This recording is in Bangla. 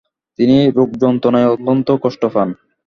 তিনি রোগযন্ত্রণায় অত্যন্ত কষ্ট পান।